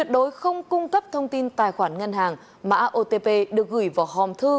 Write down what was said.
đối không cung cấp thông tin tài khoản ngân hàng mã otp được gửi vào hòm thư